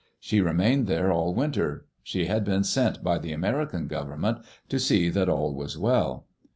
She remained there all winter. She had been sent by the American Government to see that all was well.